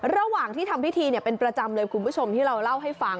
ระหว่างที่ทำพิธีเป็นประจำเลยคุณผู้ชมที่เราเล่าให้ฟัง